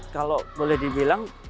kalau boleh dibiarkan